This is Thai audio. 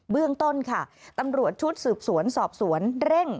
เรื่องต้นค่ะตำรวจชุดสืบสวนสอบสวนเร่ง